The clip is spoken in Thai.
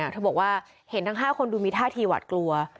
เธอบอกว่าเห็นทั้ง๕คนดูมีท่าทีหวัดกลัว